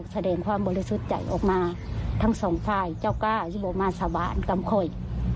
แสดงความบริสุทธิ์ใจออกมาทั้งสองฝ่ายเจ้าก้าวที่ลงมาสาบานกำค่อย